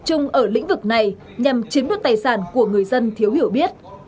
chúng ở lĩnh vực này nhằm chiếm được tài sản của người dân thiếu hiểu biết